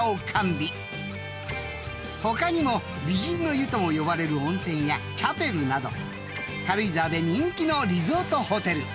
［他にも美人の湯とも呼ばれる温泉やチャペルなど軽井沢で人気のリゾートホテル］